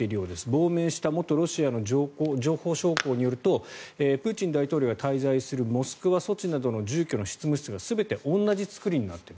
亡命した元ロシアの情報将校によるとプーチン大統領が滞在するモスクワ、ソチなどの住居の執務室が全て同じ作りになっている。